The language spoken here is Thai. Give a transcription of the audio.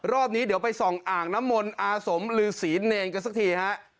รอบนี้เดี๋ยวไปส่องอ่างน้ำมนต์อาสมฤษีเนรกันสักทีฮะ